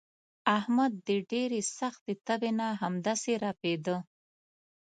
احمد د ډېرې سختې تبې نه همداسې ړپېدا.